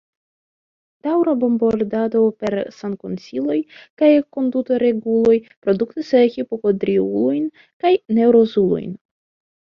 Daŭra bombardado per sankonsiloj kaj kondutoreguloj produktas hipokondriulojn kaj neŭrozulojn.